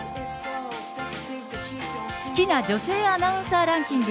好きな女性アナウンサーランキング